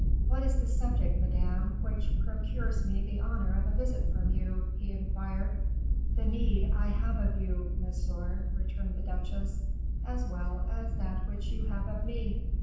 "What is the subject, madame, which procures me the honor of a visit from you?" he inquired. "The need I have of you, monsieur," returned the duchesse, "as well as that which you have of me."